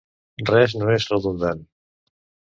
Res no és redundant.